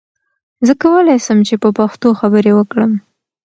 زه کولی سم چې په پښتو خبرې وکړم.